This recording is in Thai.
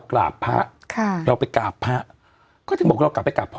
กราบพระค่ะเราไปกราบพระก็ถึงบอกเรากลับไปกราบพระ